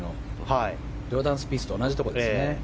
ジョーダン・スピースと同じところですね。